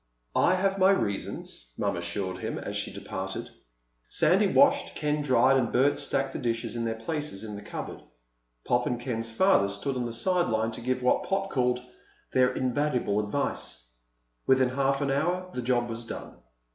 "I have my reasons," Mom assured him as she departed. Sandy washed, Ken dried, and Bert stacked the dishes in their places in the cupboard. Pop and Ken's father stood on the side lines to give what Pop called their "invaluable advice." Within half an hour the job was done.